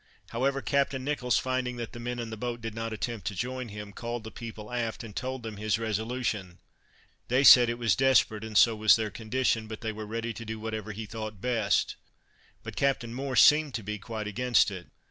However, Captain Nicholls finding that the men in the boat did not attempt to join him, called the people aft, and told them his resolution. They said it was desperate, and so was their condition, but they were ready to do whatever he thought best. But Captain Moore seemed to be quite against it.